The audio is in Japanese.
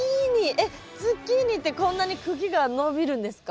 えっズッキーニってこんなに茎が伸びるんですか？